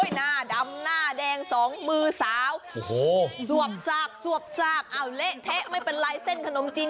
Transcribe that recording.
หน้าดำหน้าแดงสองมือสาวสวบสากสวบสากเอาเละแทะไม่เป็นไรเส้นขนมจีน